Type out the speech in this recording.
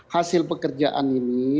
hasil pekerjaan ini